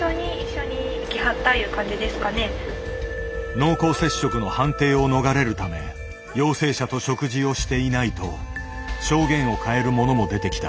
濃厚接触の判定を逃れるため陽性者と食事をしていないと証言を変える者も出てきた。